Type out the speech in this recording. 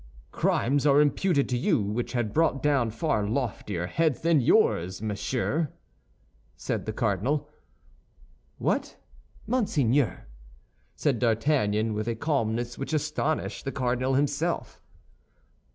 "Crimes are imputed to you which had brought down far loftier heads than yours, monsieur," said the cardinal. "What, monseigneur?" said D'Artagnan, with a calmness which astonished the cardinal himself.